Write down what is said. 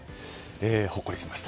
ほっこりしました。